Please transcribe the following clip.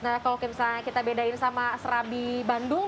nah kalau misalnya kita bedain sama serabi bandung